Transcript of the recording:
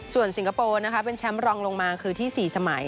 ส่วนสิงคโปร์นะคะเป็นแชมป์รองลงมาคือที่๔สมัย